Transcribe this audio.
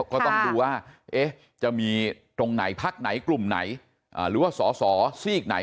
ก็ต้องดูว่าจะมีตรงไหนพักไหนกลุ่มไหนหรือว่าสอสอซีกไหน